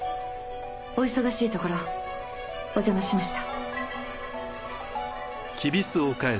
お忙しいところおじゃましました。